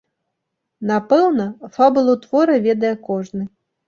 Напэўна, фабулу твора ведае кожны.